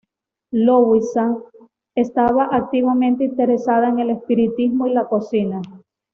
Louisa estaba activamente interesada en el espiritismo y la cocina.